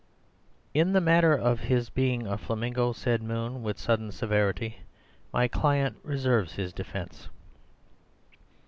"In the matter of his being a flamingo," said Moon with sudden severity, "my client reserves his defence."